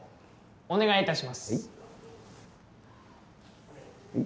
お願いいたします。